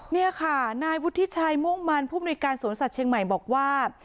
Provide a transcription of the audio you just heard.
นี่ค่ะนายวุฒิชัยม่วงมันผู้มนุยการสวนสัตว์เชียงใหม่บอกว่า